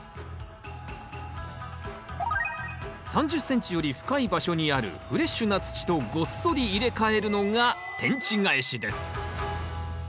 ３０ｃｍより深い場所にあるフレッシュな土とごっそり入れ替えるのが天地返しです